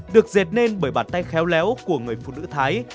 được dệt nên bởi bàn tay khéo léo của người phụ nữ thái